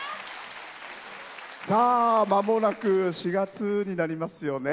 まもなく４月になりますよね。